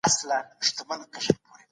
دا انساني توازن د ده د هنر نښه ده.